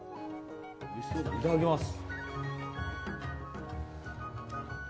いただきます！